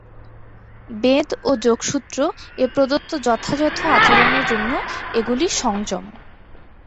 বেদ ও যোগসূত্র এ প্রদত্ত যথাযথ আচরণের জন্য এগুলি সংযম।